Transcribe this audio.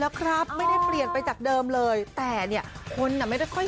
แบบนิ่งเงียบอะไรอย่างนี้